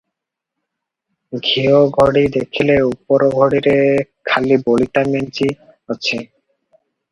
ଘିଅଘଡ଼ି ଦେଖିଲେ ଉପର ଘଡ଼ିରେ ଖାଲି ବଳିତା ମେଞ୍ଚି ଅଛି ।